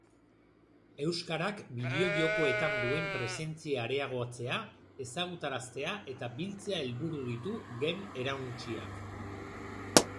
Euskarak bideojokoetan duen presentzia areagotzea, ezagutaraztea eta biltzea helburu ditu Game Erauntsiak